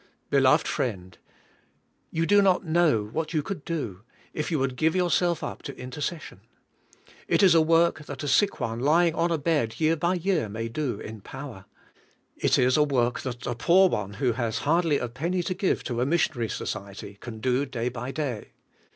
Beloved friend, you do not know what 3'ou could do if you would give yourself up to intercession. THE SO URCE OF PO IVER IN PR A I 'ER /;^ It is a work that a sick one lying on a bed year by year may do in power. It is a work that a poor one who has hardly a penny to give to a mission ary society can do day by day.